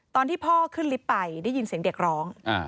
ตอนที่พ่อขึ้นลิฟต์ไปได้ยินเสียงเด็กร้อง